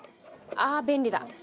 ああ便利だ。